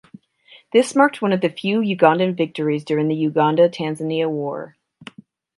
This marked one of the few Ugandan victories during the Uganda–Tanzania War.